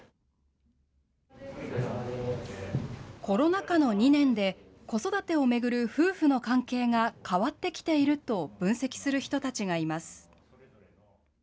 コロナ禍の２年で、子育てを巡る夫婦の関係が変わってきていると分析する人たちがいます。